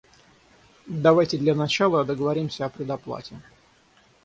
Давайте для начала договоримся о предоплате.